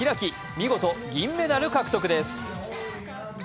見事、銀メダル獲得です。